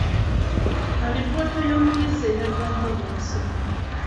Alipoota y'omuyizi eraga nga bw'asomye.